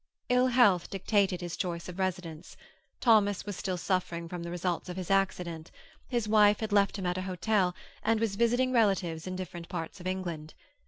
Ill health dictated his choice of residence; Thomas was still suffering from the results of his accident; his wife had left him at a hotel, and was visiting relatives in different parts of England.